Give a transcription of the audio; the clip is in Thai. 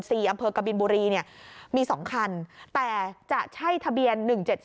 ที่อำเภอกบินบุรีมี๒คันแต่จะใช่ทะเบียน๑๗๒๒